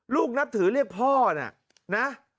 ลูกนับถือเรียกพ่อเนี่ยนะ